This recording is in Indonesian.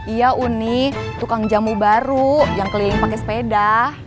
iya uni tukang jamu baru yang keliling pakai sepeda